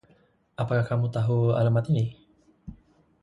Apakah kamu tahu alamat ini...?